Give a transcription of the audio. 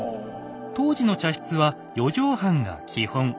当時の茶室は４畳半が基本。